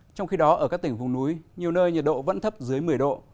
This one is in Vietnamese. trong khi đó ở các tỉnh vùng núi nhiều nơi nhiệt độ vẫn thấp dưới một mươi độ